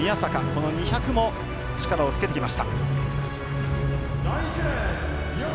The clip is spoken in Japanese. この２００ｍも力をつけてきました。